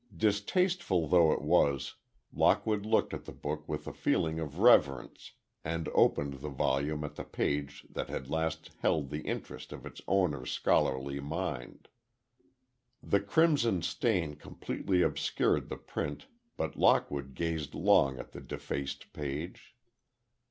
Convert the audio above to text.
Distasteful though it was, Lockwood looked at the book with a feeling of reverence and opened the volume at the page that had last held the interest of its owner's scholarly mind. The crimson stain completely obscured the print, but Lockwood gazed long at the defaced page.